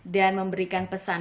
dan memberikan pesan